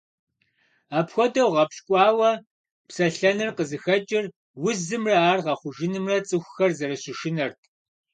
Апхуэдэу гъэпщкӏуауэ псэлъэныр къызыхэкӏыр узымрэ ар гъэхъужынымрэ цӏыхухэр зэрыщышынэрт.